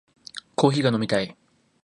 コーヒーが飲みたい